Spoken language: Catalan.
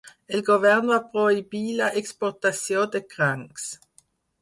El govern va prohibir la exportació de crancs.